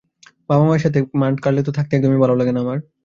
বাবা-মায়ের সাথে মন্টে-কার্লোতে থাকতে একদমই ভালো লাগে না আমার।